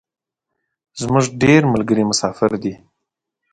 زمونږ ډیری ملګري مسافر دی